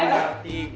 tekonya ada di bak